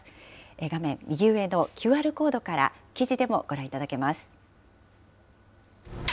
画面右上のＱＲコードから記事でもご覧いただけます。